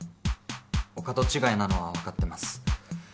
お門違いなのはわかってます。